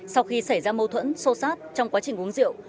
sau khi xảy ra mâu thuẫn xô xát trong quá trình uống rượu